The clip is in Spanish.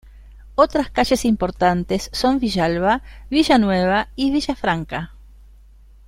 Otras calles importantes son Villalba, Villanueva y Villafranca.